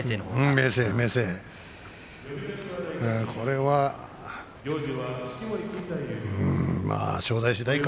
明生、明生これは正代しだいか。